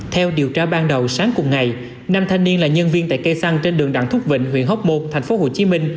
theo điều tra ban đầu sáng cùng ngày năm thanh niên là nhân viên tại cây xăng trên đường đặng thúc vịnh huyện hóc môn tp hcm